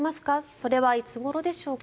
それはいつごろですか？